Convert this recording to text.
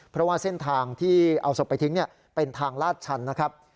เพราะว่าเส้นทางที่เอาศพไปทิ้งเป็นทางลาดชันนะครับ